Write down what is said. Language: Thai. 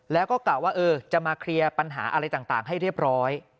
แล้วก็กะว่าจะมาเคลียร์ปัญหาอะไรต่างให้เรียบร้อย